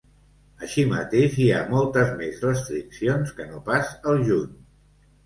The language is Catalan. Així mateix, hi ha moltes més restriccions que no pas al juny.